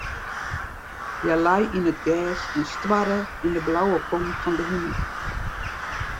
Hja lei yn it gers en stoarre yn de blauwe kom fan de himel.